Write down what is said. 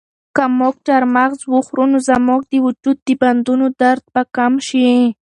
که موږ چهارمغز وخورو نو زموږ د وجود د بندونو درد به کم شي.